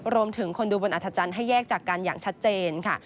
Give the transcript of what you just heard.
รวมถึงคนดูบนอัธจันทร์ให้แยกจากกันอย่างชัดเจนค่ะ